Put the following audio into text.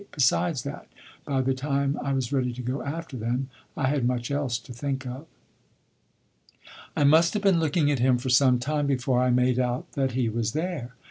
Besides that, by the time I was ready to go after them I had much else to think of. I must have been looking at him for some time before I made out that he was there.